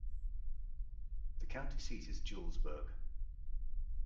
The county seat is Julesburg.